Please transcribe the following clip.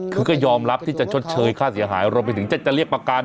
คือก็ยอมรับที่จะชดเชยค่าเสียหายรวมไปถึงจะเรียกประกัน